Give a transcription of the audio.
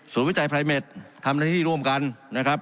วิจัยไพรเม็ดทำหน้าที่ร่วมกันนะครับ